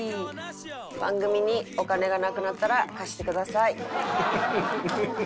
番組にお金がなくなったら貸してください。